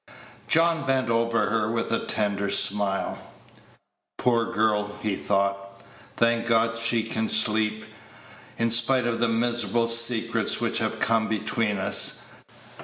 John bent over her with a tender smile. "Poor girl," he thought; "Thank God that she can sleep, in spite of the miserable secrets which have come between us.